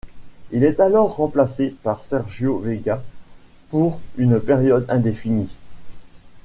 Il est alors remplacé par Sergio Vega pour une période indéfinie.